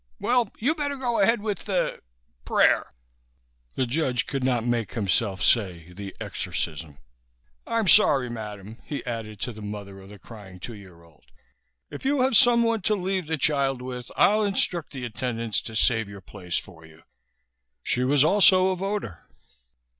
Well, you better go ahead with the prayer." The judge could not make himself say "the exorcism." "I'm sorry, madam," he added to the mother of the crying two year old. "If you have someone to leave the child with, I'll instruct the attendants to save your place for you." She was also a voter.